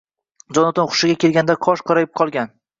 Jonatan hushiga kelganida qosh qorayib qolgan